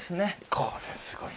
これすごい。